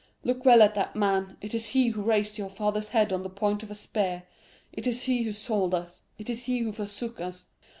Look well at that man; it is he who raised your father's head on the point of a spear; it is he who sold us; it is he who forsook us!